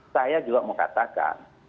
saya juga mau katakan